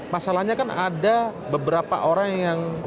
masalahnya kan ada beberapa orang yang